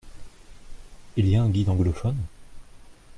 Il y a un guide anglophone ?